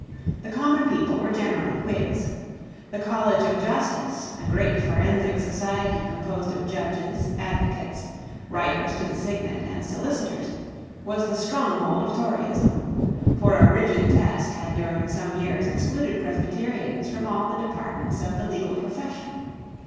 The common people were generally Whigs. The College of justice, a great forensic society composed of judges, advocates, writers to the signet, and solicitors, was the stronghold of Toryism: for a rigid test had during some years excluded Presbyterians from all the departments of the legal profession.